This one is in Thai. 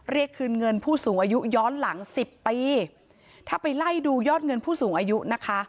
เรียกคืนเงินผู้สูงอายุย้อนหลังสิบปีถ้าไปไล่ดูยอดเงินผู้สูงอายุนะคะ